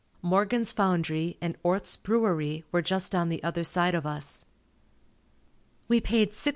Morgan's foundry and Orth's brewery were just on the other side of us. We paid $600.